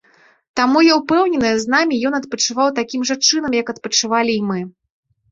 Таму, я ўпэўнены, з намі ён адпачываў такім жа чынам, як адпачывалі і мы.